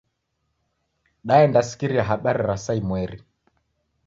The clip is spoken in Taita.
Daendasikiria habari ra saa imweri.